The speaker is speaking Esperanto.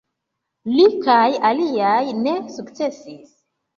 Li kaj aliaj ne sukcesis.